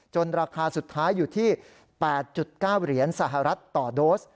ราคาสุดท้ายอยู่ที่๘๙เหรียญสหรัฐต่อโดส